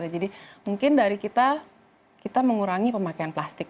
jadi mungkin dari kita kita mengurangi pemakaian plastik